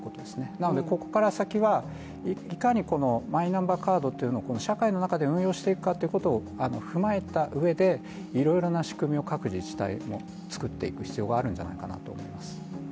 なのでここから先はいかにマイナンバーカードを社会の中で運用していくかということを踏まえたうえで、いろいろな仕組みを各自治体は作っていく必要があるんじゃないかなと思っています。